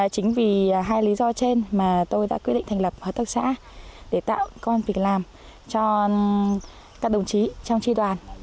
chính vì hai lý do trên mà tôi đã quyết định thành lập hợp tác xã để tạo công an việc làm cho các đồng chí trong tri đoàn